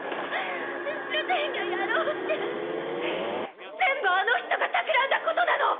主人がやろうって全部あの人がたくらんだことなの！